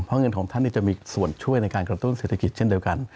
เพราะเงินของท่านจะมีส่วนช่วยในการกระตุ้นเศรษฐกิจเช่นเดียวกัน